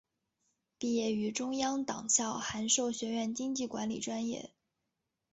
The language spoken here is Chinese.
毕业于中央党校函授学院经济管理专业。